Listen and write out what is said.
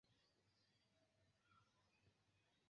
En la urbo funkcias Instrua Altlernejo.